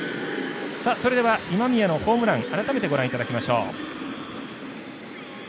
それでは、今宮のホームラン改めてご覧いただきましょう。